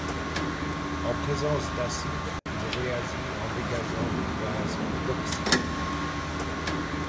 En présence d'acides, il réagit en dégageant des gaz toxiques.